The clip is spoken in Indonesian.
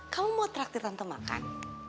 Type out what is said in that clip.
kamu mau traktir tante makan